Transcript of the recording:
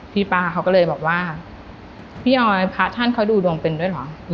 ป้าเขาก็เลยบอกว่าพี่ออยพระท่านเขาดูดวงเป็นด้วยเหรอ